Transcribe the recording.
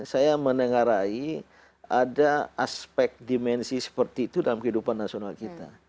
saya menengarai ada aspek dimensi seperti itu dalam kehidupan nasional kita